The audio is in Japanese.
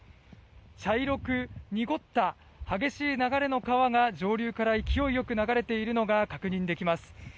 茶色く濁った激しい流れの川が上流から勢いよく流れているのが確認できます。